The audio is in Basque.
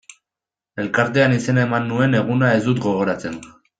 Elkartean izena eman nuen eguna ez dut gogoratzen.